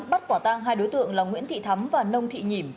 bắt quả tang hai đối tượng là nguyễn thị thắm và nông thị nhỉm